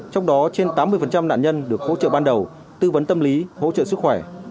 trong đó trên tám mươi nạn nhân được hỗ trợ ban đầu tư vấn tâm lý hỗ trợ sức khỏe